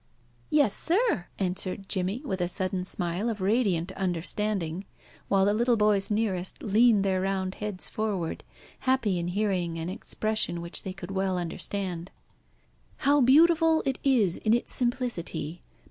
"Yes, sir," answered Jimmy, with a sudden smile of radiant understanding, while the little boys nearest leaned their round heads forward, happy in hearing an expression which they could well understand. "How beautiful it is in its simplicity!